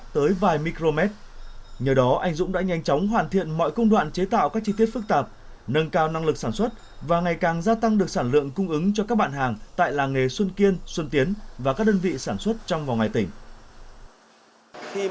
trong đó anh dũng đã nhanh chóng hoàn thiện mọi công đoạn chế tạo các chi tiết phức tạp nâng cao năng lực sản xuất và ngày càng gia tăng được sản lượng cung ứng cho các bạn hàng tại làng nghề xuân kiên xuân tiến và các đơn vị sản xuất trong và ngoài tỉnh